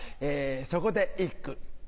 そこで一句。